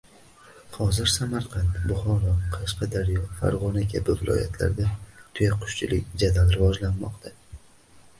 Hozir Samarqand, Buxoro, Qashqadaryo, Farg‘ona kabi viloyatlarda tuyaqushchilik jadal rivojlanmoqda.